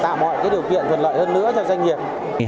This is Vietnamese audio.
tạo mọi điều kiện thuận lợi hơn nữa cho doanh nghiệp